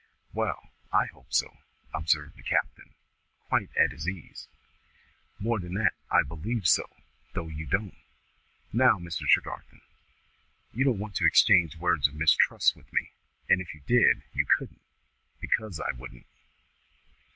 "Wa'al, I hope so," observed the captain, quite at his ease; "more than that, I believe so, though you don't. Now, Mr. Tregarthen, you don't want to exchange words of mistrust with me; and if you did, you couldn't, because I wouldn't.